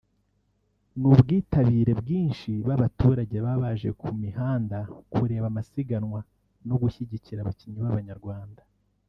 ni ubwitabire bwinshi b’abaturage baba baje ku mihanda kureba amasiganwa no gushyigikira abakinnyi b’Abanyarwanda